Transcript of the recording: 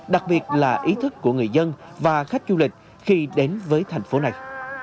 đặc biệt là ý thức của người dân và khách du lịch khi đến với thành phố này